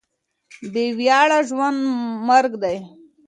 بې وياړه ژوند مرګ دی.